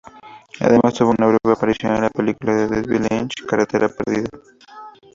Además, tuvo una breve aparición en la película de David Lynch "Carretera perdida".